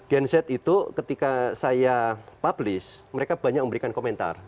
gen z itu ketika saya publish mereka banyak memberikan komentar